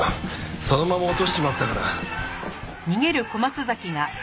そのまま落としちまったから。